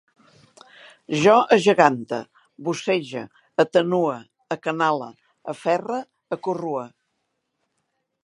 Jo agegante, bussege, atenue, acanale, aferre, acorrue